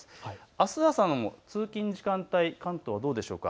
あす朝の通勤時間帯、関東はどうでしょうか。